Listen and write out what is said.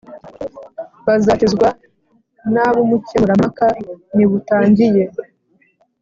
Bazakizwa nab’ ubukemurampaka ni butangiye